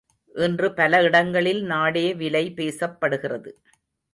இன்று பல இடங்களில் நாடே விலை பேசப்படுகிறது.